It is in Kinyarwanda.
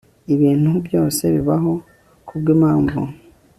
ibintu byose bibaho kubwimpamvu